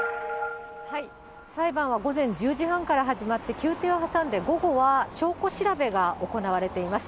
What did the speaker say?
裁判は午前１０時半から始まって、休廷を挟んで、午後は証拠調べが行われています。